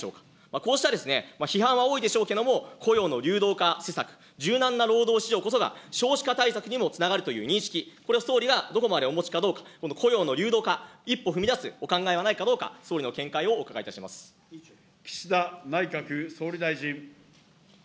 こうした批判は多いでしょうけども、雇用の流動化施策、柔軟な労働市場こそが少子化対策にもつながるという認識、これは総理はどこまでお持ちかどうか、この雇用の流動化、一歩踏み出すお考えはないかどうか、総理の見解をお伺いい岸田内閣総理大臣。